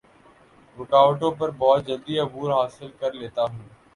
رکاوٹوں پر بہت جلدی عبور حاصل کر لیتا ہوں